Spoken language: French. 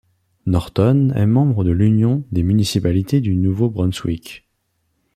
Norton est membre de l'Union des municipalités du Nouveau-Brunswick.